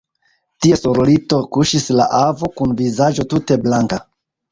Tie sur lito kuŝis la avo, kun vizaĝo tute blanka.